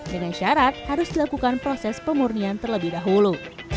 dengan syarat harus dilakukan proses pemurnian terlebih dahulu